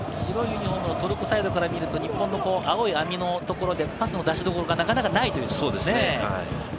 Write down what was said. トルコサイドから見ると、日本の青い網のところでパスの出しどころがなかなかないということですね。